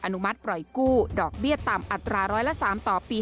นุมัติปล่อยกู้ดอกเบี้ยต่ำอัตราร้อยละ๓ต่อปี